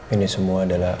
ini semua adalah